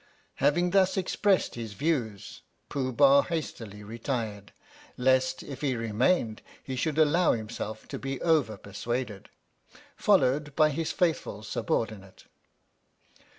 Having thus expressed his views, Pooh Bah hastily retired (lest, if he remained, he should allow himself to be over persuaded), followed by his faithful sub ordinate.